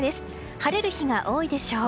晴れる日が多いでしょう。